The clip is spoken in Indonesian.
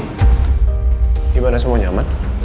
gimana semuanya aman